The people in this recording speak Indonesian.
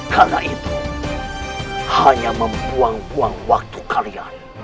karena itu hanya membuang buang waktu kalian